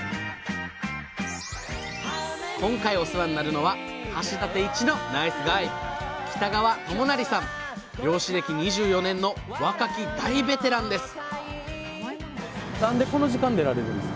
今回お世話になるのは橋立一のナイスガイ漁師歴２４年の若き大ベテランです